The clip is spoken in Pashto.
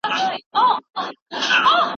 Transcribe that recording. استاد باید د مشر غوندې وي.